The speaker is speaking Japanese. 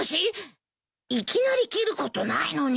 いきなり切ることないのに。